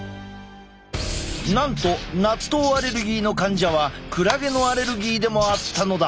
なんと納豆アレルギーの患者はクラゲのアレルギーでもあったのだ。